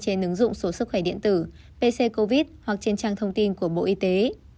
trên ứng dụng số sức khỏe điện tử pc covid hoặc trên trang thông tin của bộ y tế